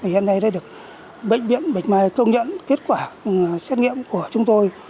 hiện nay đã được bệnh viện bạch mai công nhận kết quả xét nghiệm của chúng tôi